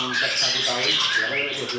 untuk bulet itu biasanya delapan satu tahun